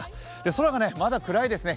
空がまだ暗いですね。